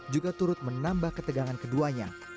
juga turut menambah ketegangan keduanya